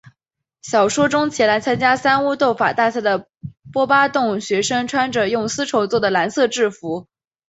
小说中前来参加三巫斗法大赛的波巴洞学生穿着用丝绸作的蓝色制服。